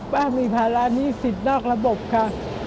บ้างมีภาระหนี้ศิษฐ์นอกระบบค่ะ